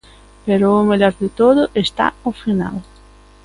Pero o mellor de todo está ao final.